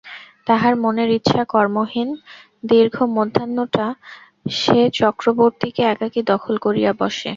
তাহার মনের ইচ্ছা, কর্মহীন দীর্ঘমধ্যাহ্নটা সে চক্রবর্তীকে একাকী দখল করিয়া বসে।